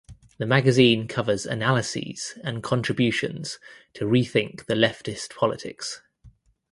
The magazine covers analyses and contributions to rethink the leftist politics.